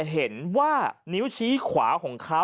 เห็นว่านิ้วชี้ขวาของเขา